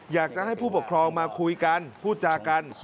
อยากจะให้ผู้ปกครองมาคุยกันพูดจากัน